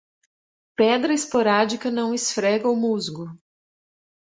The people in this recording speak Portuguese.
Pedra esporádica não esfrega o musgo.